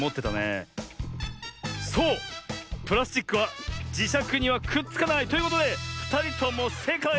そうプラスチックはじしゃくにはくっつかない。ということでふたりともせいかい！